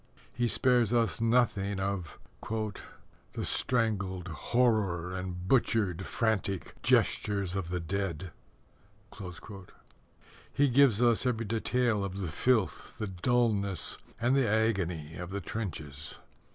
He spares us nothing of: The strangled horror And butchered, frantic gestures of the dead. He gives us every detail of the filth, the dullness, and the agony of the trenches.